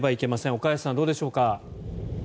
岡安さん、どうでしょうか。